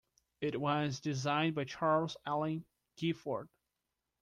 It was designed by Charles Alling Gifford.